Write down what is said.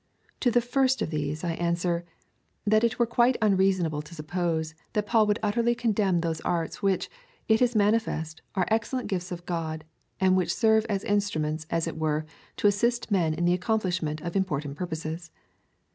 To the first of these I answer — that it were quite unreasonable to suppose, that Paul would utterly condemn those arts which, it is manifest, are excellent gifts of God, and which serve as instruments, as it were, to assist men in the accomplishment of important purj)oses.